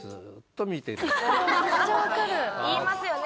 いますよね。